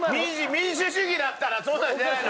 民主主義だったらそうなんじゃないの？